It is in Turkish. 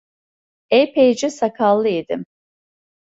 Epeyce sakallı idim.